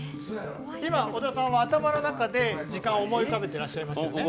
今、小田さんは頭の中で時間を思い浮かべていらっしゃいますね？